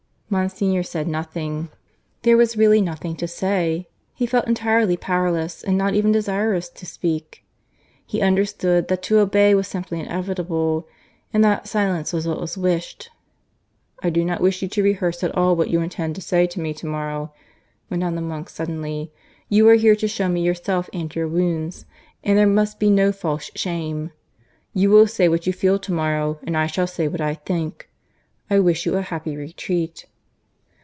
Monsignor said nothing. There was really nothing to say. He felt entirely powerless, and not even desirous to speak. He understood that to obey was simply inevitable, and that silence was what was wished. "I do not wish you to rehearse at all what you intend to say to me to morrow," went on the monk suddenly. "You are here to show me yourself and your wounds, and there must be no false shame. You will say what you feel to morrow; and I shall say what I think. I wish you a happy retreat."